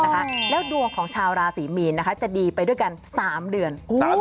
แล้วดวงของชาวราศรีมีนจะดีไปด้วยกัน๓เดือน